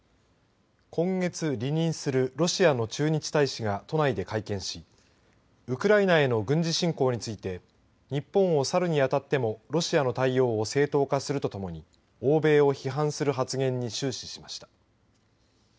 今月離任するロシアの駐日大使が都内で会見しウクライナへの軍事侵攻について日本を去るにあたってもロシアの対応を正当化するとともに欧米を批判する発言に終始しました。